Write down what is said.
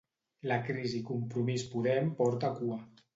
La crisi Compromís-Podem porta cua.